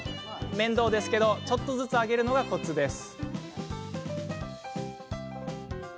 面倒ですけれどもちょっとずつ上げるのがコツです。